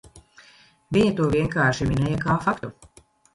Viņa to vienkārši minēja kā faktu.